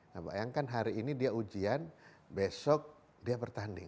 nah bayangkan hari ini dia ujian besok dia bertanding